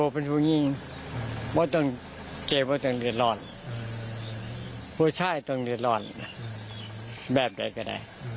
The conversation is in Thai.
ผู้ชายตรงเรียนร้อนแบบไหนก็ได้